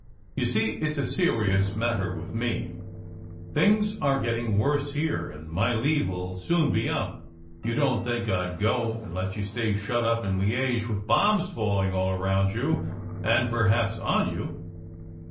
You see, it s a serious matter with me. Things are getting worse here, and my leave 11 soon be up. You don t think I d go, and let you stay shut up in Liege with bombs falling all round you and perhaps on you?"